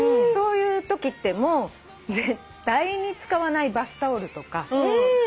そういうときってもう絶対に使わないバスタオルとか。